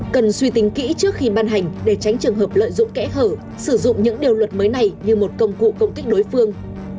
cần suy tính kỹ trước khi ban hành để tránh trường hợp lợi dụng kẽ hở sử dụng những điều luật mới này như một công cụ công kích đối phương